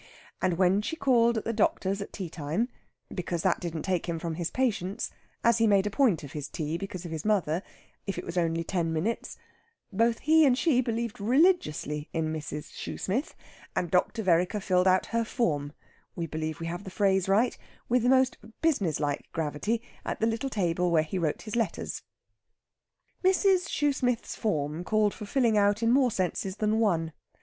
And when she called at the doctor's at teatime because that didn't take him from his patients, as he made a point of his tea, because of his mother, if it was only ten minutes both he and she believed religiously in Mrs. Shoosmith, and Dr. Vereker filled out her form (we believe we have the phrase right) with the most business like gravity at the little table where he wrote his letters. Mrs. Shoosmith's form called for filling out in more senses than one.